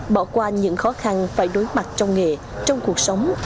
bỏ qua những khó khăn phải đối mặt trong nghề trong cuộc sống